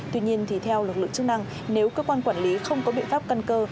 tuy nhiên thì theo lực lượng chức năng nếu cơ quan quản lý không có biện pháp căn cơ